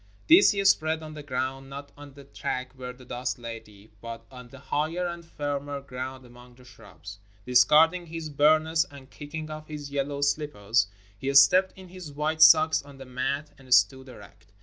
This he spread on the ground — not on the track where the dust lay deep, but on the higher and firmer ground among the shiubs. Discarding his burnous and kicking off his yellow sHppers, he stepped in his white socks on to the mat and stood erect.